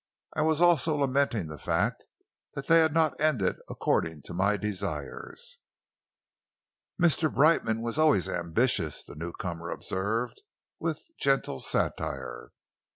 "I was also lamenting the fact that they had not ended according to my desires." "Mr. Brightman was always ambitious," the newcomer observed, with gentle satire.